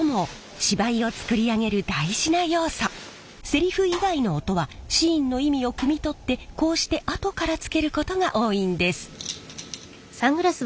セリフ以外の音はシーンの意味をくみ取ってこうしてあとからつけることが多いんです。